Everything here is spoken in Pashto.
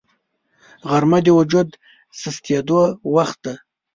غرمه د وجود سستېدو وخت دی